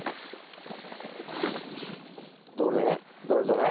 どれ？